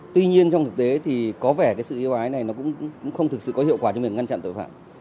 tuy nhiên trong thực tế thì có vẻ sự yêu ái này cũng không thực sự có hiệu quả cho mình ngăn chặn tội phạm